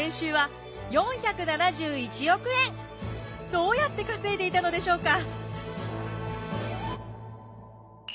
どうやって稼いでいたのでしょうか？